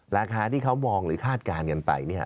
ราคาที่เขามองหรือคาดการณ์กันไป